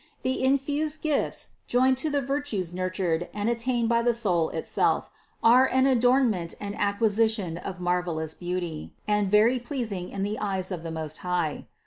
The infused gifts, joined to the virtues nurtured and attained by the soul itself, are an adornment and ac quisition of marvelous beauty, and very pleasing in the eyes of the Most High.